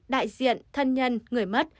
đại diện thân nhân người mất